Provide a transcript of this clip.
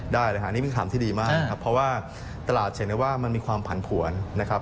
ได้เลยค่ะนี่เป็นข่าวที่ดีมากครับเพราะว่าตลาดเห็นได้ว่ามันมีความผันผวนนะครับ